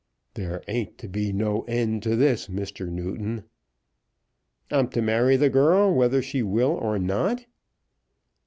"There ain't to be no end to this, Mr. Newton." "I'm to marry the girl whether she will or not?"